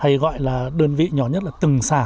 hay gọi là đơn vị nhỏ nhất là từng xã